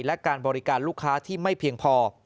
และการบริการลูกค้าที่ไม่เพียงพอ